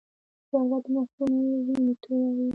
جګړه د نسلونو وینې تویوي